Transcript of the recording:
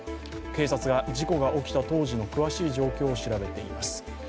警察は事故が起きた当時の詳しい状況を調べています。